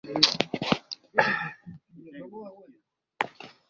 Akaomba jambo moja kwao wamwite Mama